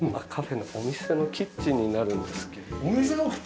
カフェのお店のキッチンになるんですけども。